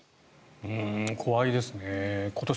怖いですね。